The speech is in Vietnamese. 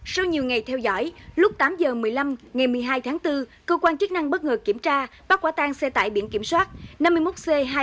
sau nhiều ngày theo dõi lúc tám h một mươi năm ngày một mươi hai tháng bốn cơ quan chức năng bất ngờ kiểm tra bắt quả tan xe tải biển kiểm soát năm mươi một c hai mươi ba nghìn chín trăm ba mươi tám